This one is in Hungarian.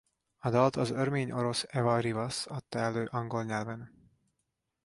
A dalt az örmény–orosz Eva Rivas adta elő angol nyelven.